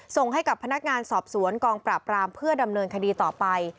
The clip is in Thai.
ส่งให้กับพนักงานสอบสวนกองปราบรามเพื่อดำเนินคดีต่อไป